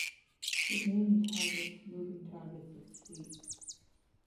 It mainly targets moving targets at sea.